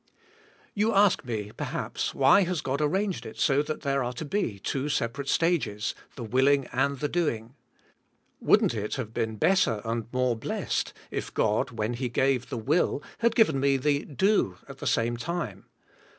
You ask me, perhaps, why has God arranged it so that there are to be two separate stages, the willing and the doing? Wouldn't it have been better and more blessed if God, when He gave the will had given me the do at the same time?